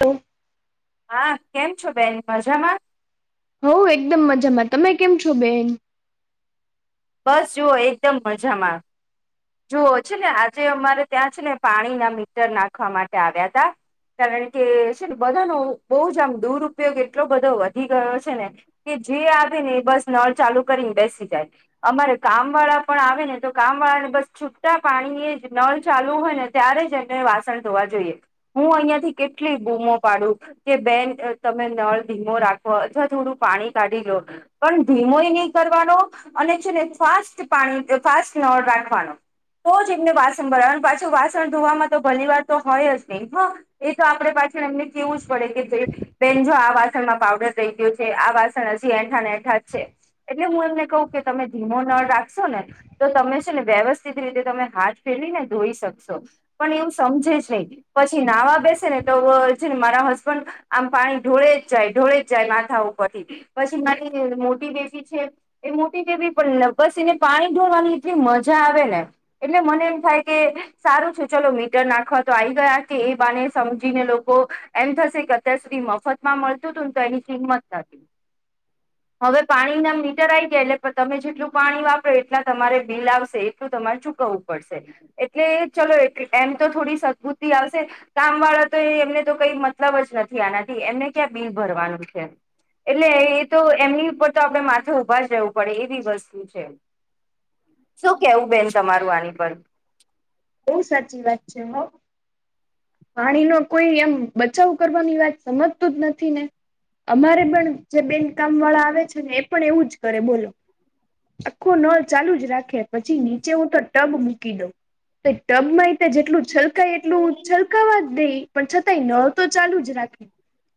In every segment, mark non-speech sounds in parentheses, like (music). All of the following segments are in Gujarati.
તો હા કેમ છો બેન મજામાં? હોઉ એકદમ મજામાં તમે કેમ છો બેન? બસ જુઓ એકદમ મજામાં. જુઓ છે ને આજે અમારે ત્યાં છે ને પાણીના મીટર નાખવા માટે આવ્યાતા. કારણ કે છે ને બધાનો બહુ જ આમ દુરપયોગ એટલો બધો વધી ગયો છે ને. કે જે આવે ને એ બસ નળ ચાલુ કરીને બેસી જાય. અમારે કામ વાળા પણ આવે ને તો કામ વાળા ને બસ- છૂટટા પાણી એ જ નળ ચાલુ હોય ને ત્યારે જ એમને વાસણ ધોવા જોઈએ. હું અહિયાં થી કેટલી બૂમો પાડું. કે બેન તમે નળ ધીમો રાખો અથવા થોડું પાણી કાઢી લો. પણ ધીમોય નહી કરવાનો અને છે ને ફાસ્ટ પાણી ફાસ્ટ નળ રાખવાનો. તો જ એમને વાસણ ભરાવે પાછું વાસણ ધોવામાં તો ભલી વાર તો હોય જ નહી હા. એ તો આપડે પાછળ એમને કેવું જ પડે કે જે બેન જો આ વાસણમાં પાવડર રહી ગયો છે આ વાસણ હજી એઠા ને એઠા જ છે. એટલે હું એમને કહું કે તમે ધીમો નળ રાખશો ને તો તમે છે ને વ્યવસ્થા િત રીતે તમે હાથ ફેરીને ધોઈ શકશો. પણ એમ સમજે જ નહી, પછી નાવા બેસે ને તો છેને મારા હસબન્ડ આમ પાણી ઢોળે જ જાય ઢોળે જ જાય માથા ઉપર થી પછી મારી મોટી બેસી છે. એ મોટી જેવી પણ બસ એને પાણી ઢોળવાની એટલી મજા આવે ને. એટલે મને એમ થાય કે સારું છે ચલો મીટર નાખવા તો આ આવી ગયા કે એ બાને સમજીને લોકો એમ થશે કે અત્યાર સુધી મફત માં મળતું હતું ને તો એની કિંમત નતી. હવે પાણી નામ મીટર આવી ગયા એટલે તમે જેટલું પાણી વાપરો એટલા તમારે બિલ આવશે. તું તમારે ચૂકવવું પડશે એટલે ચલો એ એમ તો થોડી સદબુતી આવશે. કામ વાળા તો એમને તો કઈ મતલબ જ નથી આના. એમને ક્યાં બિલ ભરવાનું છે એટલે એ તો એમની ઉપર તો આપડે માથું ઉભા જવું. પડે એ બી વસ્તુ છે. શું કેવું બેન તમારું આની પર. બઉ સાચી વાત છે હ. પાણી ન કોઈ એમ બચાવ કરવાની વાત સમજતું જ નથી ને. અમારે પણ જે બેન કામ વાળા આવે છે ને એ પણ એવું જ કરે બોલો. આખો ન ચાલુ જ રાખ. પછી નીચે હું તો ટબ મૂકી દઉં તો ટબમાં એ જેટલું છલકાય એટલું. છલકાવા જ દઈ પણ છતાંય ન તો ચાલુ જ રાખી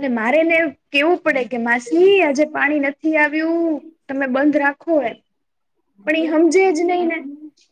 અને મારે ને. કેવું પડે કે માસી આજે પાણી નથી આવ્યું તમે બંધ રાખો એમ. પણ એ સમજે જ નહીં ને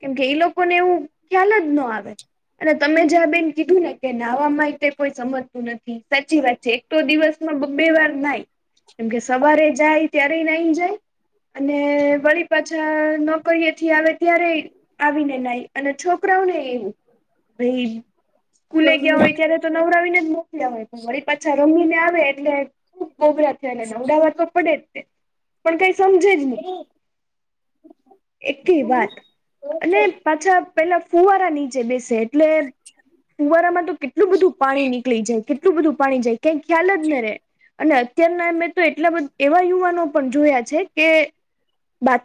કેમકે એઈ લોકોને એવું ખ્યાલ જ ન આવે. અને તમે જ્યાં બેન કીધું ને કે નાહવા મા કોઈ સમજતું નથી સાચી વાત છે. તો દિવસમાં બબે વાર નાઈ કેમકે સવારે જાય ત્યારે નહી જાય. અને વળી પાછા નોકરીએથી આવે ત્યારે આવીને નઈ. અને છોકરાઓને એ ભાઈ સ્કૂલે ગયા હોય ત્યારે તો નવરવિને ય વળ પાછા રમીને આવે એટલે ખુબ ગોભરા થયાને અમદાવાદ તો પડે. પણ કઈ સમજે જ. (inaudible) એક વાત અને પાછા પેલા ફુવારા નીચે બેસે. એટલે કુવારામાં તો કેટલું બધું પાણી નીકળી જાય કેટલું બધું પાણી જાય. કઈ ખ્યાલ જ ન રે અને અત્યારના મેં તો એટલા બધા એવા યુવાનો પણ જોયા છે કે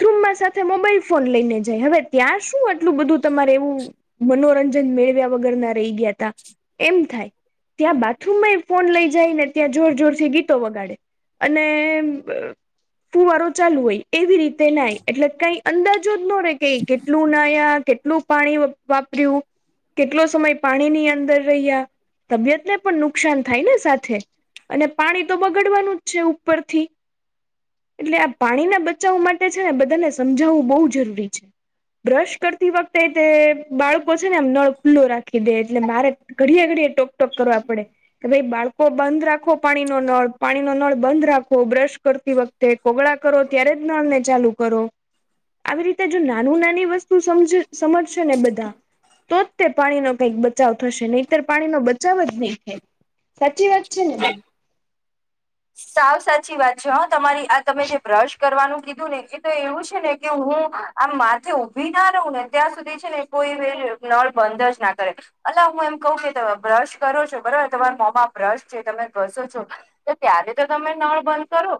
થરૂમમાં સાથે મોબાઈલ ફોન લઈને જાય હવે ત્યાં શું આટલું બધું તમારે એવું. મનોરંજન મેળવ્યા વગર ના રહી ગયા તા એમ થાય. ત્યાં બાથરૂમ માં ફોન લઈ જાય ને ત્યાં જોર જોરથી ગીતો વગાડે. અને ફુવારો ચાલુ હોય એવી રીતે તે નઈ એટલે કઈ અંદાજો જ ન રે કે કેટલું નાયા કેટલું પાણી. વાપર્યું. કેટલો સમય પાણીની અંદર રહ્યા તબિયતને પણ નુકસાન થાય ને સાથે. અને પાણી તો બગાડવાનું જ છે ઉપરથી એટલે આ પાણીના બચાવવા મા ટે ને બધાને સમજાવવું બહુ જરૂરી છે બ્રશ કરતી વખતે તે બાળકો. છે ને એમ નળ ખુલ્લો રાખી દે એટલે મારે ઘડિએ ઘડએ ટોક ટોક કરવા પડે. કે ભાઈ બાળકો બંધ રાખો પાણી ન નળ પાણી નો નળ બંધ રાખો બ્રશ કરતી વખ તે કોગળા કરો ત્યારે જ નાળને ચાલુ કરો. આવી રીતે જો નાનું નાની વસ્તુ સમ સમજશે ને બધા તો જ તે પાણીનો કંઈક બચાવ થશે નહીતર પાણીનો બચાવ જ નહીં થાય. સાચી વાત છે ને. સાવ સાચી વાત છે હા તમારી આ તમે જે બ્રશ કરવાનું કીધું ને એ તો એવું છે ને કે હું આમ માથે ઉઊભી ના રહું ને ત્યાં સુધી છે ને કોઈ નળ બંધ જ ના કરે. અ હું એમ કહું કે ત બ્રશ કરો છો બરોબર તમારા મોમાં બ્રશ છે તમે ઘસો છો. તો ત્યારે તો તમે નળ બંધ કરો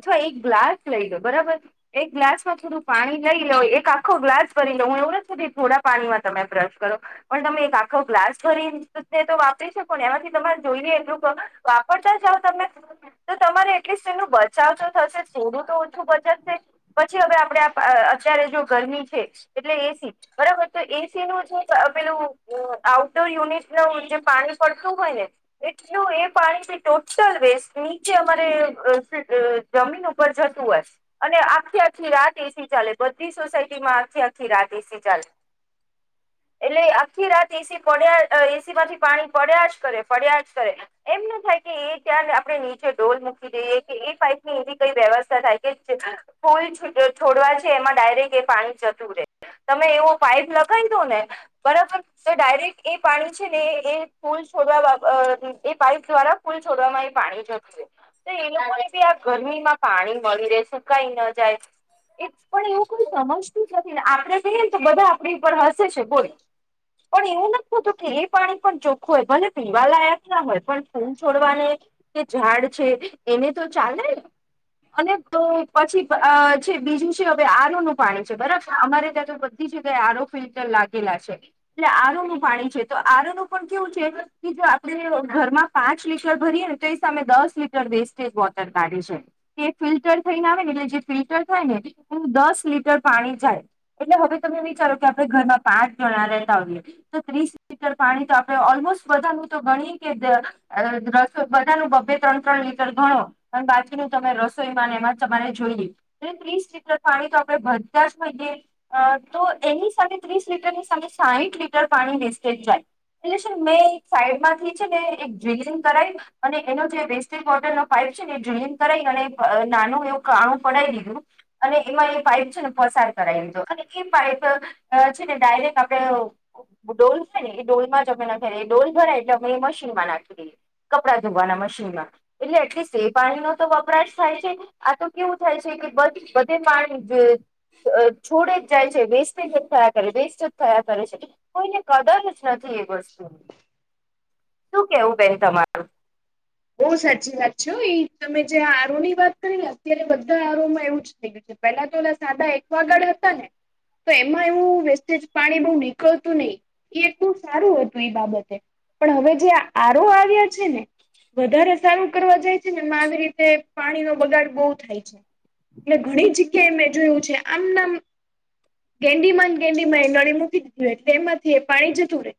અથવા એક ગ્લાસ લઈ લો બરાબર. એક ગ્લાસમાં થોડું પાણી લઈ લોઉ એક આખો ગ્લાસ ભરી લઉ હું એવુ નથી કેતી તમે થોડા પાણીમાં તમે બ્રશ કરો. પણ તમે એક આખો ગ્લાસ ભરીને તો વાપરી શકો ને એમાંથી તમારે જોઈએ એટલું વાપરતા જાઓ તમે. તો તમારે એટલીસ્ટ એનું બચાવ તો થશે સોડું તો ઓછું બચાવશે- - પછી અગર આપડે અત્યારે જો ગરમી છે એટલે એસી- - બરાબર તો એસી નું જે પેલું આઉટડોર યુનિટ ન જે પાણી પડતું હોય ને- - એટલું એ પાણી ટોટલ વેસ્ટ- - નીચે અમારે જમીન ઉપર જતું હશે. અને આખી આખી રાત એસી ચાલે બધી સોસાયટી માં આખી આખી રાત એસી ચાલે. એટલે આખી રાત એસી પડ્યા એસી માંથી પાણી પડ્યા જ કરે પડ્યા જ કરે- - એમ ન થાય કે એ ત્યા- - આપણે નીચે ઢોલ મૂકી દઈએ કે એ પાઇપ ની એવી કઈ વ્યવસ્થા થાય કે- - પુલ છોડવા છે એમાં ડાયરેક્ટ એ પાણી જતું રહેે- - તમે એવો પાઈપ લગાવી દો ને બરાબર- - તો ડાયરેક્ટ એ પાણી છે ને એ પૂલ છોડવા એ પાઈપ દ્વારા પૂલ છોડવામાં આવી- - પાણી જતું તો એ લોકોને બી આ ગરમીમાં પાણી મળી રહેશે કઈ ન જાય- - પણ એવું કોઈ સમજતું જ નથી ને આપડે જોઈએ ને તો બધા આપણી ઉપર હસે છે બોલી? પણ એવું નતું કે એ પાણી પણ ચોખ્ખું હોય ભલે પીવાલાયક ના હોય પણ ફૂલ છોડવાને- - કે ઝાડ છે એને તો ચાલે- - અને તો પછી છે બીજું છે હવે આરુનું પાણી છે બરાબર અમારે ત્યાં તો- - જગ્યા એ આરોફિલ્ટર લાગેલા છે. એટલે આરો નું પાણી છે તો આરો નું પણ કેવું છે કે જો આપણે ઘરમાં પાંચ લીટર ભરીએ ને તો- - સામે દસ લીટર વેસ્ટેજ વોટર કાઢીશુ. એ ફિલ્ટર થઈને આવે ને એટલે જે ફિલ્ટર થાય ને એ દસ લીટર પાણી જાય- - એટલે હવે તમે વિચારો કે આપણે ઘરમાં પાંચ જણા લેતા હોઈએ તો ત્રીસ- - લીટર પાણી તો આપણે ઓલમોસ્ટ વધાનું તો ગણી કે રસ- - ન બ બે ત્રણ લીટર ગણો અને બાકીનું તમે રસોઈ મા એમાં તમારે જોઈએ- - એ ત્રીસ લીટર પાણી તો આપણે ભરતા જ હોય એ. અ તો એની સા ત્રીસ લીટરની સામે સાહીઠ લીટર પાણી વેસ્ટેજ જાય- - એટલે મેં એક સાઈડ માંથી છે ને એક ડ્રિલિંગ કરાવી- - અને એનો જે વેસ્ટેજ વોટર ન પાઈપ છે ને એ ડ્રીન કરાઈ અને નાનું એવું કાણું પડાઈ દીધું- - અને એમાં એ પાઈપ છે ને પસાર કરાવી લીધો અને એ પાઈપ- - છે ને ડાયરેક્ટ આપડે- - ડોલ છે ને એ ડોલમાં જ અમે નથીએ ડોલ ભરાય એટલે અમે એ મીનમાં નાખી દઈએ- - કપડા ધોવાના મશીન માં એટલે એટલી સ એ પાણી નો તો વપરા જ થાય છે. આ તો કેવું થાય છે કે બધે માણ- - છોડે જ જાય છે વેસ્ટેજ જ થયા કરે વેસ્ટ જ થયા કરે છે કોઈને કદર- - નથી એ વસ્તુ શું કેવું બેન તમારે? બહ સાચી વાત છે એ તમે જે આરો ની વાત કરી ને અત્યારે બધા આરો માં એવું જ થઈ ગય- - પેલા તો એ સાદા એકવાગળ હતા ને- - તો એમાં એવું વ્યસ્જ પાણી બહ નીકળતું નહી. એ એટલું સારું હતું એ બાબતે પણ હવે જે આરો આવ્યા છે ને- - વધારે સારું કરવા જાય છે ને એ આવી રીતે પાણી નો બગાડ બહુ થાય છે- - એટલે ઘણી જગ્યાએ મેં જોયું છે આમ નામ- - ગેંડી જ ગેંડીમાં એ નળી મૂકી દીધી હો એટલે એમાંથી એ પાણી જતું રહેે.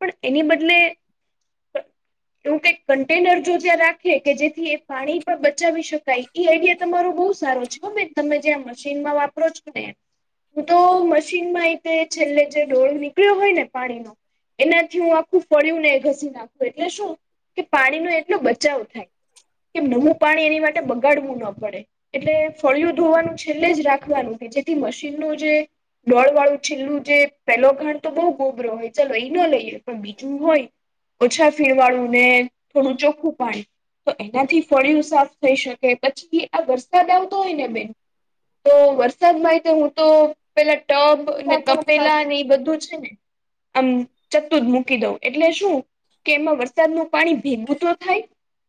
પણ એની બદલે એવું કક- - કન્ટેનર જો ત્યાં રાખે કે જેથી એ પાણી પણ બચાવી શકાય એ આઈડિયા તમારો બહુ સારો છેમેન. તમે જ્યાં મશીનમાં વાપરો છો ને. હું તો મશીન માં એતે છેલ્લે જે ડઢોળ નીકળ્યો હોય ને પાણીનો. એનાથી હું આખું ફળ્યું ને ઘસી નાખું એટલે શું. કે પાણી ન એટલો બચાવ થાય કે નમું પાણી એની માટે બગાડવું ના પડે. એટલે ફળિયો ધોવાનું છેલ્લે જ રાખવાનું છે જેથી મશીનનું જે. ડોળ વાળું છેલ્લું જે પેલો ઘાણ તો બહુ ગોબરો હોય ચલો એઈ ન લઈએ પણ. બીજું હોય ઓછા ફીરવાળું ને થોડું ચોખ્ખું પાડ. તો એનાથી ફળિઓ સાફ થઈ શકે પછી આ વરસાદ આવતો હોય ને બેન. તો વરસાદ માહ હું તો. પેલા ટબ ને તપેલા અને એ બધું છે ને. આમ ચતું જ મૂકી દઉં એટલે શું કે એમાં વરસાદનું. પાણી ભેગું તો થાય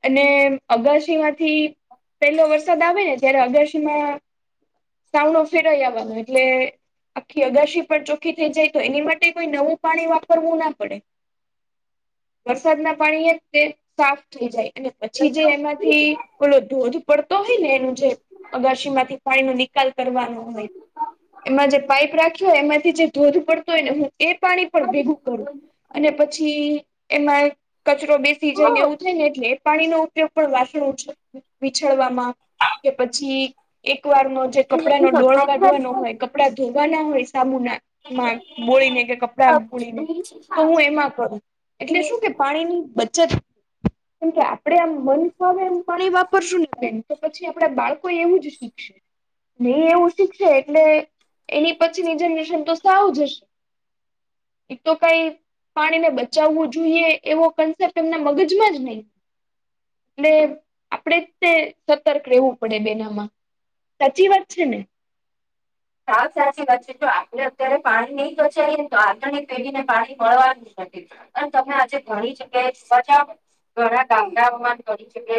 અને અગાસી માંથી. પેલો વરસાદ આવે ને ત્યારે અગશીમાં સાવનોો ફેરઈ આવવાનો એટલે. આખી અગશી પણ ચોખ્ખી થઈ જાય તો એની માટે કોઈ નવું પાણી વાપરવું ના પડે. વરસાદ ના પાણી એ તે સાફ થઈ જાય અને પછી જે એમાં. થી ઓલો ધોધ પડતો હોય ને એનું જે. અગારશી માંથી પાણી નો નિકાલ કરવાનો હોય. એમાં જે પાઈપ રાખ્યો હોય એમાંથી જે ધોધ પડતો હોય ને હું. એ પાણી પણ ભેગું કરું અને પછી એમાં કચરો બેસ. સથી જાય ને એવું થાય ને એટલે પાણીનો ઉપયોગ પણ વાસણ વિછડવામાં. કે પછી એક વારનો જે કપડાનો ડોળ કાઢવાનો હોય. આપડા ધોવાના હોય સામું ના. બોળને કે કપડા બોલીને તો હું એમાં કરું એટલે શું કે. પાણી ની બચત. કેમ કે આપણેે આમ મન એમ પાણી વાપરશું નાે તો પછી આપણા બાળકો એવું જ શીખશે. નહી એવું શીખશે એટલે એની પછીની જનરેશન તો સાવું જ હશે. એક તો કઈ પાણીને બચાવવું જોઈએ એવો કન્સેપ્ટ. તેમના મગજમાં જ નહી. એટલે આપડે તે સતર્ક રહેેવું પડે બેનામાં. સાચી વાત છે ને. સાવ સાચી વાત છે જો આપડે અત્યારે પાણી નહી બચાવીએને તો આગળણે પેઢીને પાણી મળવાનું નથી. અને તમે આજે ઘણી જગ્યાએ સજા. ઘણા ગામડાા અપમાન કરી છે બ.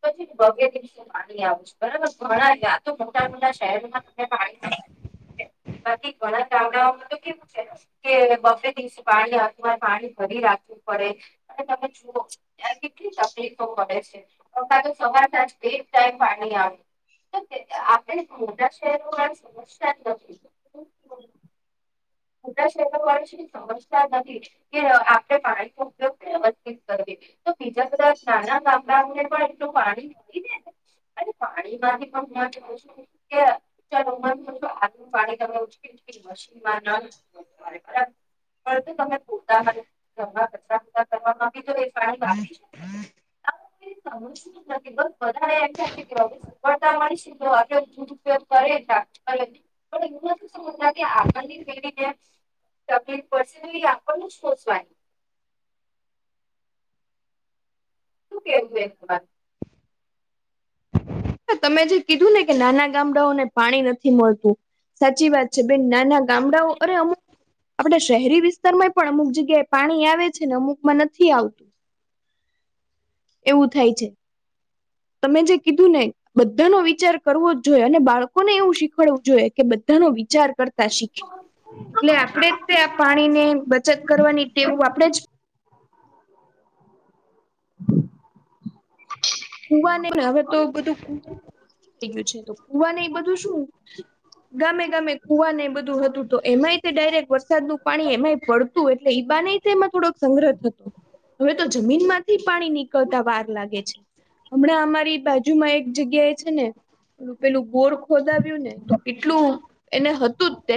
પછી ભગ્ય દિવસે પાની આવ છે બરાબર ઘણા વાતો મોટા મોટા શહેરોમાં. પાણી બાકી ઘણા કામડાઓમાં તો કેવું છે. કે બફરે દિવસે પાણીની હાથમાંર પાણી ભરી રાખવું પડે. અને તમે જુઓ ત્યાં કેટલી તકલીફો પડે છે. અતા તો સવાર સાંજ બે ટાઈમ પાણી આવે આપણે મોજા. સમસ. (unintelligible) ખટા કહેત્ર સમસ્યા નથી કે આપણે પાણી નો ઉપયોગ વ્યવસ્થિત કરીવીએ. તો બીજા બધા નાના ગામડાને પણ એટલું પાણી મળી નેને. અરે પાણી બાકી પણ હ કું છું. આું પાણી તમે ઉકે મશીનમાં ના. (inaudible) પણ તો તમે પોતામાંવા કચરારા કરવામાં બી તો વેસાણી બાી શકો. સમ શું નથી બસ વધારે એમ થચી ગ બ. પતા મળશ દુરુપયોગ કરે ડરે. પણ એું શ શુંતા કે આગની પે. તને પર્સનલી આપણનું જ સોચવાનું. કે (inaudible) તમે જે કીધું ને કે નાના ગામડાઓને પાણી નથી મળતું સાચી વાત છે બેન નાના ગામડાઓ અરે અમુક આપડ શહેરી વિસ્તારમાંય પણ અમુક જગ્યાએ પાણી આવે છે ને અમુકમાં નથી આવતું. એવું થાય છે. તમે જે કીધું ને. બધાનો વિચાર કરવો જ જોઈએ અને બાળકોને એવું શીખવાડવું જોઈએ કે બધાનો વિચાર વિચાર કરતા શીખ એટલે આપણેે જ તે આ પાણીને બચત કરવાની ટેવું આપણેે જ હમ. કુવા ન હવે તો બધું થઈ ગયું છે કુવા ન બધું શું? ગામે ગામે કુવાને એ બધું હતું તો એમાંય ડાયરેક્ટ વરસાદ નું પાણી એમાંય પડતું. એટલે ઈ બહાને એમાં થોડોક સંગ્રહ થતો હતો. હવે તો જમીન માંથી પાણી નીકળતા વાર લાગે છે. હમણાં અમારી બાજુમાં એક જગ્યા એ છે ને પેલું ગોળ ખોદાવ્યું ને તો કેટલું એને હતું જ તે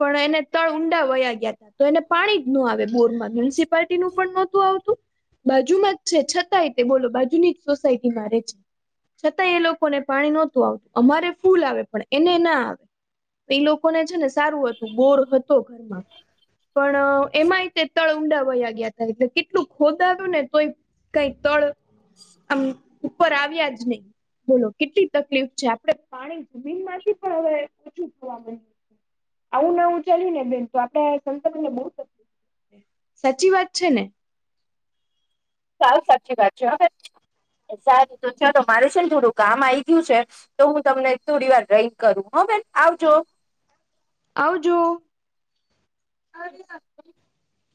પણ એને તળ ઊંડા વયા ગયા હતા. તો એને પાણી જ ન આવે બોરમાં મ્યુનિસિપાલટી નું પણ નહોતું આવતું. બાજુમાં જ છે છતાંય તે બોલો બાજુની જ સોસાયટીમાં રહે છે. છતાંય એ લોકોને પાણી નહોતું આવતું અમારે ફૂલ આવે પણ એને ના આવે. એ લોકોને છે ને સારું હતું બોર હતો ઘરમાં પણ એમાંય તે તળ ઊંડા વયા ગયા હતા એટલે કેટલું ખોદ આવ્યું ને તોય કઈ ત (unintelligible) તોળ આમ ઉપર આવ્યાજ નહી. બોલો કેટલી તકલીફ છે આપડ પાણી જમીન માંથી પણ હવે ઓછું જોવા મળે. આવું ના આવું ચાલ્યું ને બેન તો આપડે સંતને (inaudible) બહુ. સાચી વાત છે ને? સાવ સાચી વાત છે હવે સાચું તો છે તો મારું છે ને થોડું કામ આઈ ગયું છે. તો હું તમને થોડી વાર રહીને કરું હ બેન આવજો. આવજો. હા.